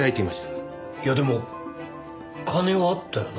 いやでも金はあったよな？